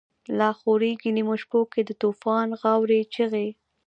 لاخوریږی نیمو شپو کی، دتوفان غاوری چیغی